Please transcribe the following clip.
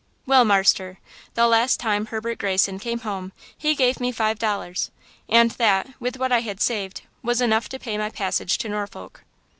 "Well, marster, the last time Herbert Greyson came home he gave me five dollars, and that, with what I had saved, was enough to pay my passage to Norfolk.